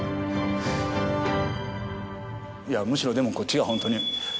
いやむしろでもこっちが。